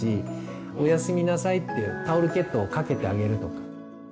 おやすみなさいってタオルケットをかけてあげるとか。